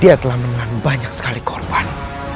dia telah menanggung banyak sekali korban